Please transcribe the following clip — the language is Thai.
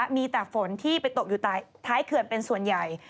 มีแต่ฝนที่ไปตกอยู่ท้ายเขื่อนเป็นส่วนใหญ่